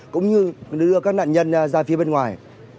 cũng như đưa các nạn nhân ra phía bên ngoài